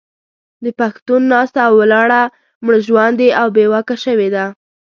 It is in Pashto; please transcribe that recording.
د پښتون ناسته او ولاړه مړژواندې او بې واکه شوې ده.